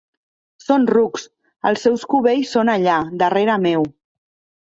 Són rucs, els seus cubells són allà, darrere meu.